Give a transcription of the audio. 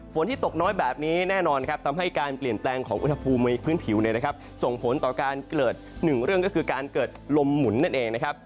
ที่ตกน้อยแบบนี้แน่นอนครับทำให้การเปลี่ยนแปลงของอุณหภูมิในพื้นผิวส่งผลต่อการเกิด๑เรื่องก็คือการเกิดลมหมุนนั่นเองนะครับ